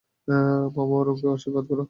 মামা, অরুণকেও আশীর্বাদ করো।